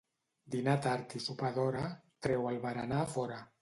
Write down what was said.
Dinar tard i sopar d'hora, treu el berenar fora.